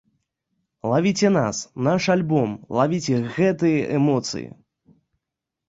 Лавіце нас, наш альбом, лавіце гэтыя эмоцыі!